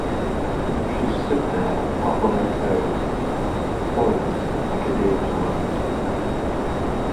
She stood there up on her toes, poised like a deer to run.